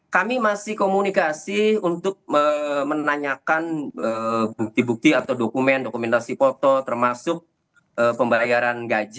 kami masih komunikasi untuk menanyakan bukti bukti atau dokumen dokumentasi foto termasuk pembayaran gaji